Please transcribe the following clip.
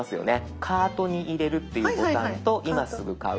「カートに入れる」っていうボタンと「今すぐ買う」。